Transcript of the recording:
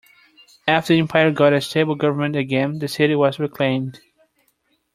After the empire got a stable government again, the city was reclaimed.